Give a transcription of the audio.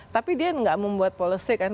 tapi dia tidak membuat polisi kan